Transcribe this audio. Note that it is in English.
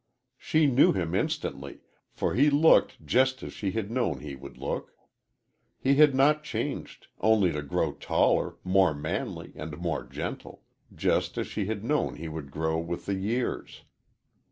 "She knew him instantly, for he looked just as she had known he would look. He had not changed, only to grow taller, more manly and more gentle just as she had known he would grow with the years.